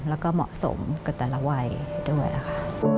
แล้วก็เหมาะสมกับแต่ละวัยด้วยค่ะ